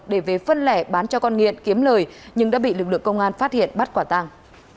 để về phân lẻ bán cho con nghiện kiếm lời nhưng đã bị lực lượng công an phát hiện bắt quả tàng